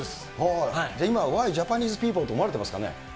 じゃあ、今は、ホワイ・ジャパニーズ・ピーポー？って、思われてますかね？